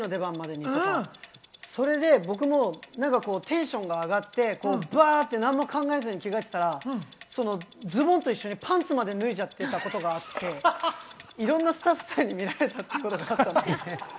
それで僕もテンションが上がって何も考えずに着替えてたら、ズボンと一緒にパンツまで脱いじゃってたことがあって、いろんなスタッフさんに見られたってことがあったんです。